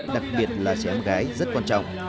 đặc biệt là trẻ em gái rất quan trọng